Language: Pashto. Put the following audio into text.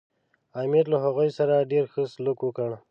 امیر له هغوی سره ډېر ښه سلوک وکړ.